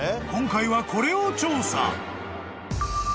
［今回はこれを調査］